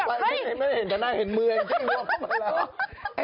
ไม่ได้เห็นแต่หน้าเห็นมือแองจี้ล้วงเขามาแล้ว